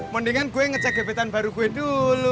mendingan gue ngecek bebetan baru gue dulu